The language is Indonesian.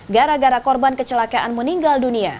gara gara korban kecelakaan meninggal dunia